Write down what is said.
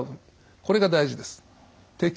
これが大事です。